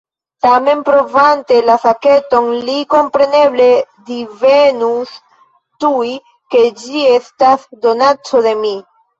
Tamen, trovante la saketon, li kompreneble divenus tuj, ke ĝi estas donaco de mi.